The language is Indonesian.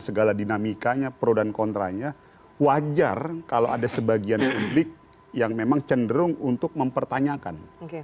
segala dinamikanya pro dan kontranya wajar kalau ada sebagian publik yang memang cenderung untuk mempertanyakan